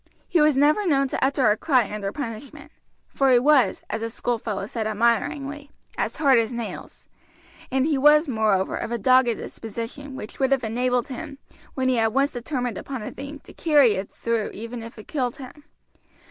He was never known to utter a cry under punishment, for he was, as his school fellows said admiringly, as hard as nails; and he was, moreover, of a dogged disposition which would have enabled him, when he had once determined upon a thing, to carry it through even if it killed him.